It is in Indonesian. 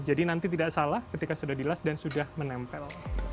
jadi nanti tidak salah ketika sudah dilas dan sudah menempel